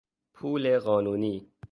پول قانونی